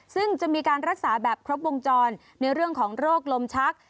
ซึ่งจะมีการรักษาแบบครบวงจรในเรื่องของโรคลมชัก